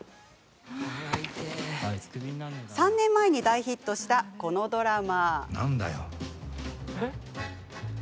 ３年前大ヒットしたこちらのドラマ。